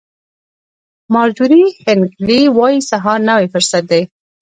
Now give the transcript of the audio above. مارجوري هینکلي وایي سهار نوی فرصت دی.